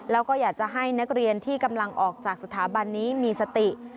แล้วก็อยากจะให้นักเรียนที่กำลังออกจากสถาบันนี้มีสติ